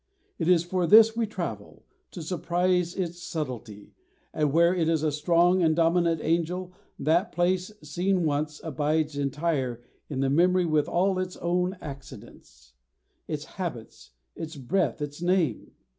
It is for this we travel, to surprise its subtlety; and where it is a strong and dominant angel, that place, seen once, abides entire in the memory with all its own accidents, its habits, its breath, its name.